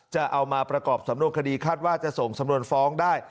จะเอามาประกอบสำนวนคดีคาดว่าจะส่งสำนวนฟ้องได้